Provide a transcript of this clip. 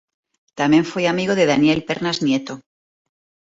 Tamén foi amigo de Daniel Pernas Nieto.